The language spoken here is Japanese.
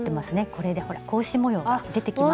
これでほら格子模様が出てきましたよ。